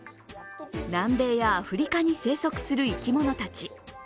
南米やアフリカに生息する生き物たち。